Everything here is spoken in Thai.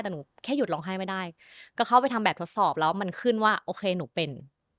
เพราะมันขึ้นว่าโอเคหนูเป็น